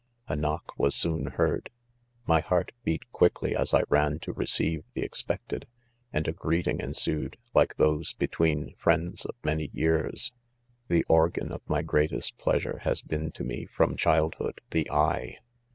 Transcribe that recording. A knock was soon heard \ my heart beat quick ly as I ran to receive the expected 5 and a greet ing ensued, like those between friends of many y ear s* 4 The organ of my greatest pleasure, has been to. me, from childhood, the eye.